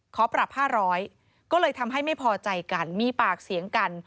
ขอปรับ๕๐๐ก็เลยทำให้ไม่พอใจกันมีปากเสียงกัน